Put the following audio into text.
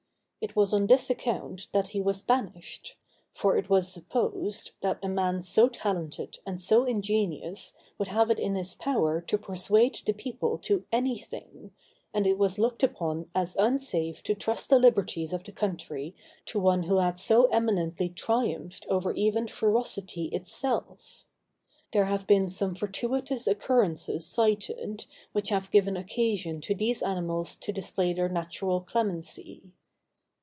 It was on this account that he was banished; for it was supposed, that a man so talented and so ingenious would have it in his power to persuade the people to anything, and it was looked upon as unsafe to trust the liberties of the country to one who had so eminently triumphed over even ferocity itself. There have been some fortuitous occurrences cited which have given occasion to these animals to display their natural clemency.